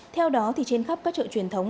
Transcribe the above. theo đó thì trên khắp các chợ truyền thống